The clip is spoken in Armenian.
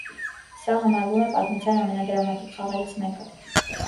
Սա համարվում է պատմության ամենադրամատիկ խաղերից մեկը։